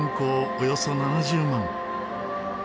およそ７０万。